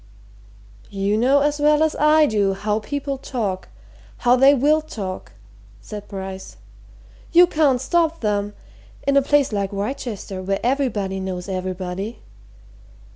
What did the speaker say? "You know as well as I do how people talk, how they will talk," said Bryce. "You can't stop them, in a place like Wrychester, where everybody knows everybody.